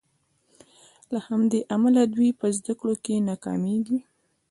له همدې امله دوی په زدکړو کې ناکامیږي.